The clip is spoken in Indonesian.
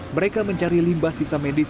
mereka mencari limbah sisa medis